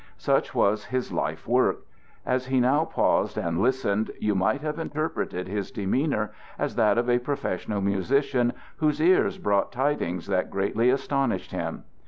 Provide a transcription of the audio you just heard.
Such was his life work. As he now paused and listened, you might have interpreted his demeanor as that of a professional musician whose ears brought tidings that greatly astonished him.